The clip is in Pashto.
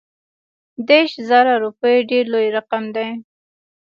دېرش زره روپي ډېر لوی رقم دی.